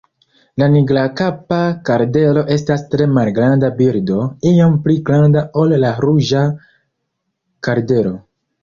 La Nigrakapa kardelo estas tre malgranda birdo, iom pli granda ol la Ruĝa kardelo.